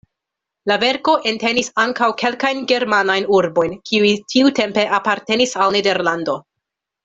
La verko entenis ankaŭ kelkajn germanajn urbojn, kiuj tiutempe apartenis al Nederlando.